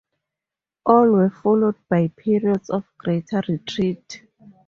All were followed by periods of greater retreat.